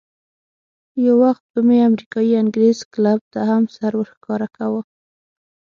یو وخت به مې امریکایي انګرېز کلب ته هم سر ورښکاره کاوه.